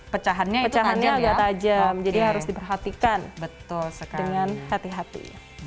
pecahannya agak tajam jadi harus diperhatikan dengan hati hati